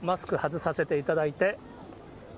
マスク外させていただいて。